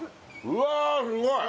うわすごい！